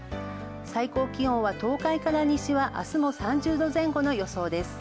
最高気温は、東海から西は明日も３０度前後の予想です。